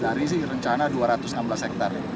dari sih rencana dua ratus enam belas hektare